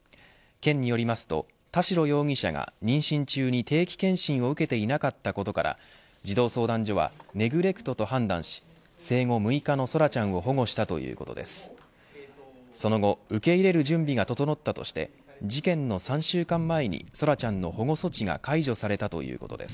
県によりますと田代容疑者が妊娠中に定期検診を受けていなかったことから児童相談所はネグレクトと判断し生後６日の空来ちゃんを保護したということです。